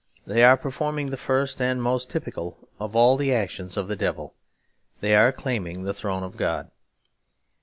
They are performing the first and most typical of all the actions of the devil; they are claiming the throne of God.